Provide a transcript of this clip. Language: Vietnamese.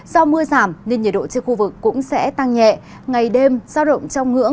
do mưa giảm nên nhiệt độ trên khu vực cũng sẽ tăng nhẹ ngày đêm xa rộng trong ngưỡng